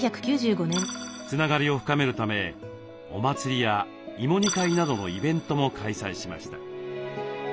つながりを深めるためお祭りや芋煮会などのイベントも開催しました。